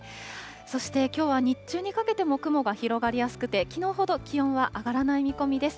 そして、きょうは日中にかけても雲が広がりやすくて、きのうほど気温は上がらない見込みです。